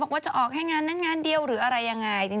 ว่าจะออกแค่งานนั้นงานเดียวหรืออะไรยังไง